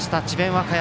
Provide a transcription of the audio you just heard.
和歌山。